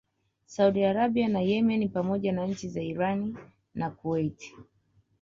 Saudi Arabia na Yemeni pamoja na nchi za Irani na Kuwait